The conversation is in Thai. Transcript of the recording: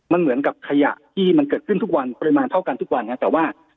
มันเหมือนกับขยะที่มันเกิดขึ้นทุกวันปริมาณเท่ากันทุกวันครับแต่ว่า